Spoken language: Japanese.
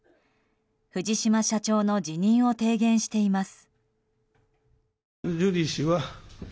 藤島社長の辞任を提言しています。